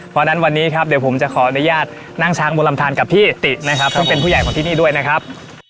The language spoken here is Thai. เพราะฉะนั้นวันนี้ครับเดี๋ยวผมจะขออนุญาตนั่งช้างบนลำทานกับพี่ตินะครับซึ่งเป็นผู้ใหญ่ของที่นี่ด้วยนะครับ